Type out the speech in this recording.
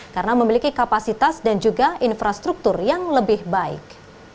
karena memiliki kapasitas dan juga infrastruktur yang lebih baik